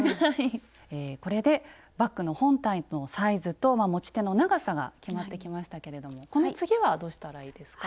これでバッグの本体のサイズと持ち手の長さが決まってきましたけれどもこの次はどうしたらいいですか？